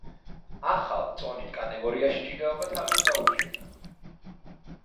ახალ წონით კატეგორიაში ჭიდაობა თავიდან გაუჭირდა.